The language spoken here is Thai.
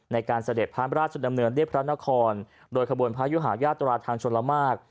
เสด็จพระราชดำเนินเรียบพระนครโดยขบวนพระยุหาญาตราทางชนละมาก